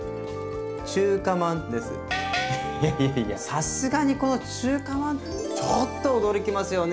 さすがにこの中華まんちょっと驚きますよね。